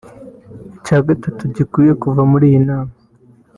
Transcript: Icya gatatu gikwiye kuva muri iyo nama